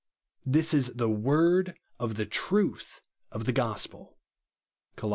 This is " the word of THE TRUTH OF THE GOSPEL," (Col i.